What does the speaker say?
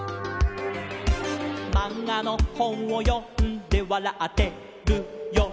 「まんがのほんをよんでわらってるよ」